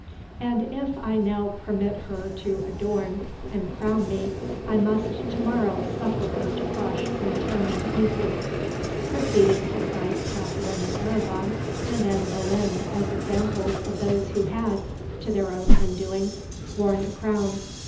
And if I now permit her to adorn and crown me, I must to morrow suffer her to crush and tear me to pieces" proceeding to cite Katherine of Aragon and Anne Boleyn as examples of those who had, to their own undoing, worn a crown.